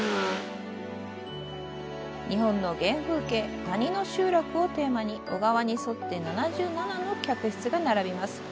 日本の原風景「谷の集落」をテーマに小川に沿って７７の客室が並びます。